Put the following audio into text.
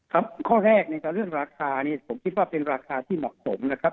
ครับข้อแรกในการเลือกราคาผมคิดว่าเป็นราคาที่เหมาะสมนะครับ